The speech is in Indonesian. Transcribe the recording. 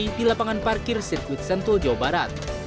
pada saat itu jokowi menemukan perhubungan parkir sirkuit sentul jawa barat